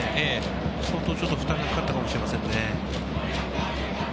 相当負担がかかったかもしれませんね。